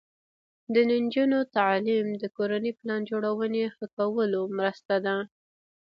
د نجونو تعلیم د کورنۍ پلان جوړونې ښه کولو مرسته ده.